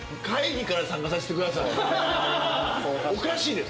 おかしいです。